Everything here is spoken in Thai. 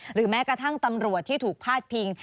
หรือแม้กระทั่งตำรวจที่ถูกพาดพิง